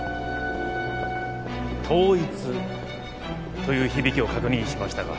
「統一」という響きを確認しましたが。